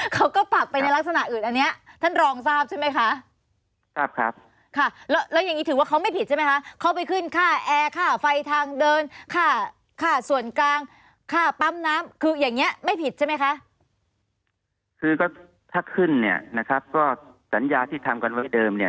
เขาก็ปรับไปในลักษณะอื่นอันนี้